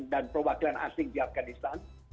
dan perwakilan asing di afghanistan